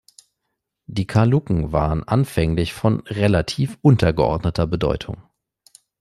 Die Karluken waren anfänglich von relativ untergeordneter Bedeutung.